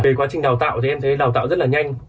về quá trình đào tạo thì em thấy đào tạo rất là nhanh